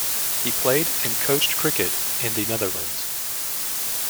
He played and coached cricket in the Netherlands.